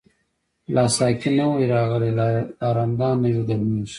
لاسا قی نوی راغلی، لا رندان نوی ګرمیږی